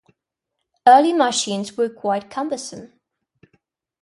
Early machines were quite cumbersome.